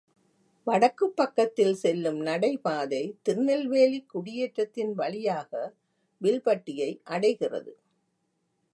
வடக்குப் பக்கத்தில் செல்லும் நடைபாதை திருநெல்வேலிக் குடியேற்ற த்தின் வழியாக வில்பட்டியை அடைகிறது.